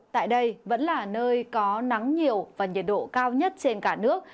tại đây vẫn là nơi có nắng nhiều và nhiệt độ cao nhất trên cả nước